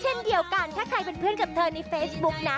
เช่นเดียวกันถ้าใครเป็นเพื่อนกับเธอในเฟซบุ๊กนะ